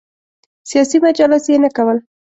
سیاسي مجالس یې نه کول.